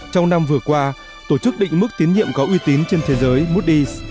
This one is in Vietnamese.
trong năm vừa qua tổ chức định mức tiến nhiệm có uy tín trên thế giới moody s